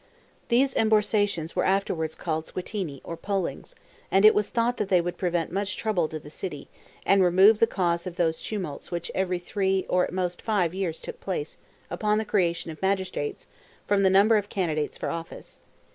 These emborsations were afterward called Squittini, or pollings, and it was thought they would prevent much trouble to the city, and remove the cause of those tumults which every three, or at most five, years, took place upon the creation of magistrates, from the number of candidates for office.